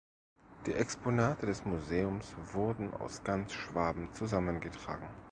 Die Exponate des Museums wurden aus ganz Schwaben zusammengetragen.